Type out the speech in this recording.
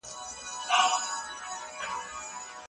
مقدوني پوځونه مات شول.